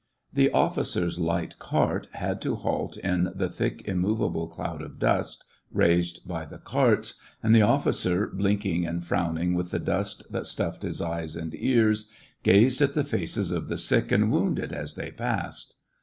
The officer's light cart had to halt in 126 SEVASTOPOL IN AUGUST. the thick, immovable cloud of dust raised by the carts,' and the officer, blinking and frowning with the dust that stuffed his eyes and ears, gazed at the faces of the sick and wounded as they passed.